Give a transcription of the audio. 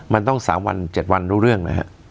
มันต้อง๓วัน๗วันรู้เรื่องนะฮะ